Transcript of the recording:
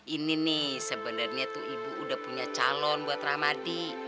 ini nih sebenarnya tuh ibu udah punya calon buat rahmadi